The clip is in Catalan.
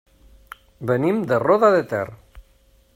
Venim de Roda de Ter.